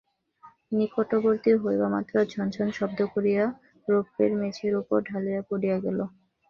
নিকটবর্তী হইবামাত্র ঝনঝন শব্দ করিয়া রৌপ্যের মেঝের উপর ঢালটি পড়িয়া গেল।